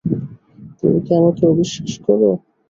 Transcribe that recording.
তুমি কি আমাকে অবিশ্বাস কর?